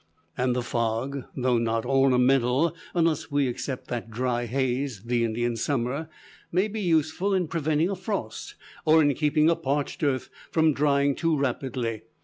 And the fog, though not ornamental unless we except that dry haze, the Indian summer may be useful in preventing a frost, or in keeping a parched earth from drying too rapidly.